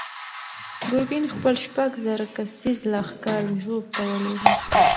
ګورګین خپل شپږ زره کسیز لښکر ژوب ته ولېږه.